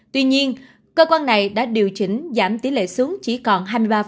tuy nhiên cơ quan này đã điều chỉnh giảm tỷ lệ xuống chỉ còn hai mươi ba